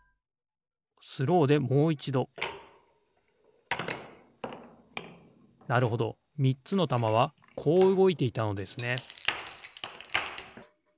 スローでもういちどなるほどみっつのたまはこううごいていたのですね